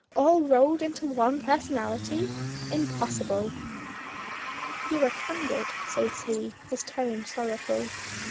All rolled into one personality. Impossible! "You are candid,'" says he, his tone sorrowful.